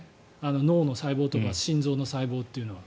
脳の細胞とか心臓の細胞というのは。